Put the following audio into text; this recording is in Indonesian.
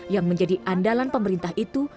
yang menjadi andalan pemerintah itu